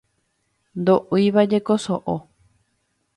Ndoʼúivajeko soʼo.